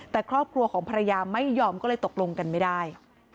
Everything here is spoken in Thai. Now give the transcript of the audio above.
แต่ครอบครัวของภรรยาไม่ยอมก็เลยตกลงกันไม่ได้